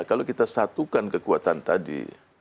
kalau kita satukan kekuatan tadi